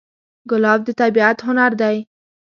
ګلاب د طبیعت هنر دی.